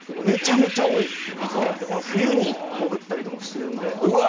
めちゃめちゃ多いです、冬に潜ったりとかもしてるので。